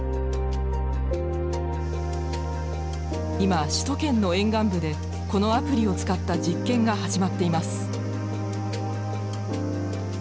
今首都圏の沿岸部でこのアプリを使った実験が始まっています。